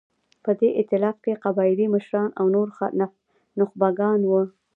په دې اېتلاف کې قبایلي مشران او نور نخبګان وو.